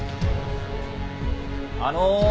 あの。